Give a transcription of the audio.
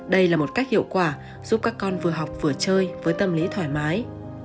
đây là một cách hiệu quả giúp các con vừa học vừa chơi với tâm lý thoải mái